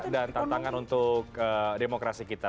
dan tantangan untuk demokrasi kita